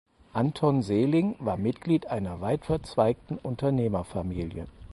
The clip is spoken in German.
Anton Seeling war Mitglied einer weitverzweigten Unternehmerfamilie.